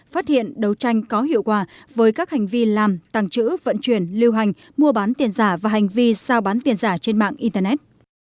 phát hiện đấu tranh có hiệu quả với các hành vi làm tàng trữ vận chuyển lưu hành mua bán tiền giả và hành vi sao bán tiền giả trên mạng internet